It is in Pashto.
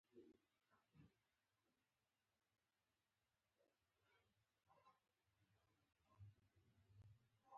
د هېچا پر مال صرفه نه کېده.